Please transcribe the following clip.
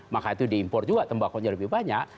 maka itu diimpor juga tembakaunya lebih banyak